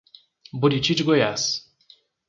Buriti de Goiás